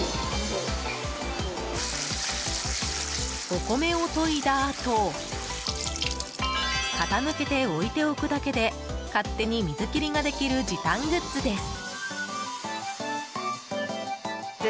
お米をといだあと傾けて置いておくだけで勝手に水切りができる時短グッズです。